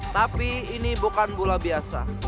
tapi ini bukan bola biasa